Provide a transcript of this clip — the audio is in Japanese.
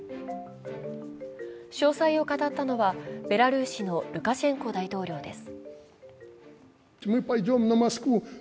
詳細を語ったのはベラルーシのルカシェンコ大統領です。